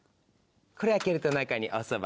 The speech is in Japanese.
これ開けると中におそば入ってます。